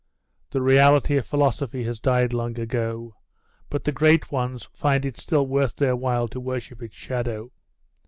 'The reality of philosophy has died long ago, but the great ones find it still worth their while to worship its shadow.